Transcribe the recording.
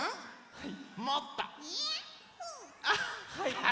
はい！